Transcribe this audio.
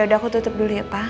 ya udah aku tutup dulu ya pak